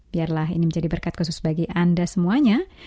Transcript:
biarlah ini menjadi berkat khusus bagi anda semuanya